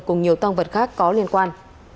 cùng nhiều tăng vật khác có liên quan